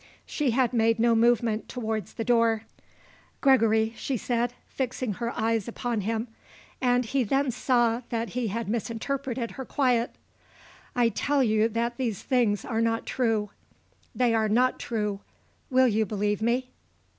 She had made no movement towards the door. "Gregory," she said, fixing her eyes upon him, and he then saw that he had misinterpreted her quiet, "I tell you that these things are not true. They are not true. Will you believe me?"